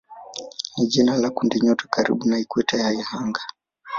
ni jina la kundinyota karibu na ikweta ya anga.